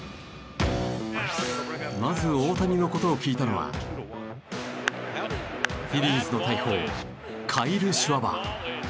まず大谷の事を聞いたのはフィリーズの大砲カイル・シュワバー。